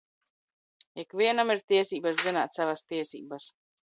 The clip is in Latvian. Ik vienam ir tiesības zināt savas tiesības.